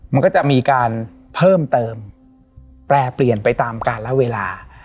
มันก็จะมีการเพิ่มเติมแปรเปลี่ยนไปตามการละเวลา